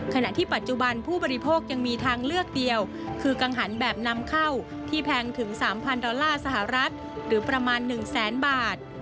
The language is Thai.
ขณะที่ปัจจุบันผู้บริโภคยังมีทางเลือกเดียวคือกังหันแบบนำเข้าที่แพงถึง๓๐๐ดอลลาร์สหรัฐหรือประมาณ๑แสนบาท